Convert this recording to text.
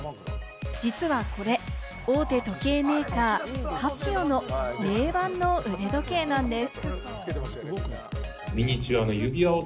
実はこれ、大手時計メーカー・カシオの定番の腕時計なんです。